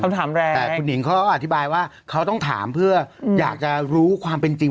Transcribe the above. ถามแรงแต่คุณหนิงเขาก็อธิบายว่าเขาต้องถามเพื่ออยากจะรู้ความเป็นจริง